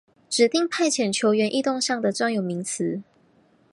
指定派遣球员异动上的专有名词。